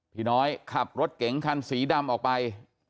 พี่น้อยขับรถเก๋งคันสีดำออกไป